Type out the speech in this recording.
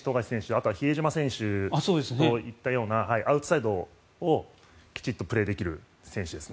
あとは比江島選手といったようなアウトサイドをきちんとプレーできる選手ですね。